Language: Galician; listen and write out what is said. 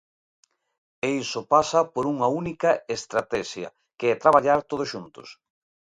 E iso pasa por unha única estratexia, que é traballar todos xuntos.